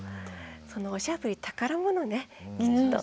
そのおしゃぶり宝物ねきっと。